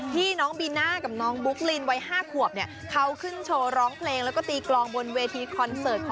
ที่น้องบีน่ากล่องน้องบุ๊คลิ้นวัย๕ขวบเนี่ย